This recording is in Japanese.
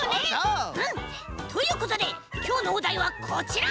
うん。ということできょうのおだいはこちら！